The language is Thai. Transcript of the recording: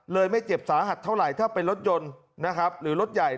เลยไม่เจ็บสาหัสเท่าไรถ้าเป็นรถยนต์หรือรถใหญ่